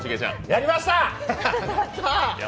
やりました！